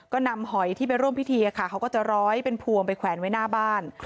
ก็นำหอยที่ไปร่วมพิธีเขาก็จะร้อยเป็นพวงไปแขวนไว้หน้าบ้าน